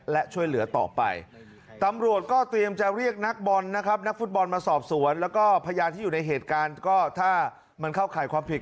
แล้วทางคณะกรรมการผู้จัดเรียนรายเงิน